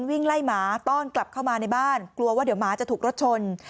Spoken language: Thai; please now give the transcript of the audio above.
วิ่งไล่หมาต้อนกลับเข้ามาในบ้านกลัวว่าเดี๋ยวหมาจะถูกรถชน